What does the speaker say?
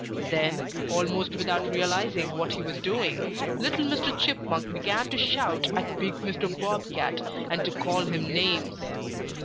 Then, almost without realizing what he was doing, little Mr. Chipmunk began to shout at big Mr. Bob Cat and to call him names.